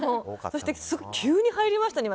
そして、さっき急に入りましたね。